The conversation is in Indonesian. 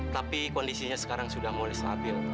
tapi kondisinya sekarang sudah mulai stabil